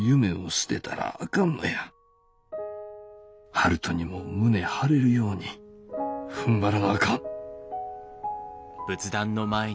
悠人にも胸張れるように踏んばらなあかん」。